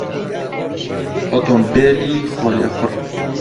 ئۆتۆمبێلی خۆلێخوڕ